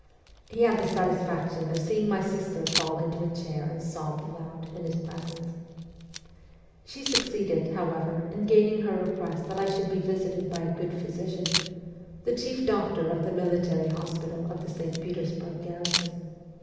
He had the satisfaction of seeing my sister fall into a chair and sob aloud in his presence. She succeeded, however, in gaining her request that I should be visited by a good physician the chief doctor of the military hospital of the St. Petersburg garrison.